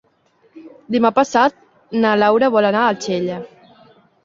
Demà passat na Laura vol anar a Xella.